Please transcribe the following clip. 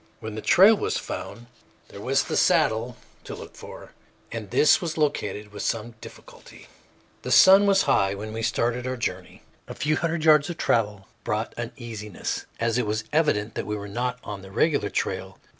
When the trail was found, there was the saddle to look for, and this was located with some difficulty. The sun was high when we started on our journey. A few hundred yards of travel brought uneasiness, as it was evident that we were not on the regular trail.